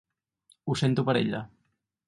Ho sento per ella.